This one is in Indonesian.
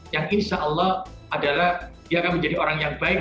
yang insya allah adalah dia akan menjadi orang yang baik